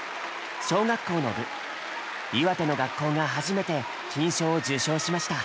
小学校の部岩手の学校が初めて金賞を受賞しました。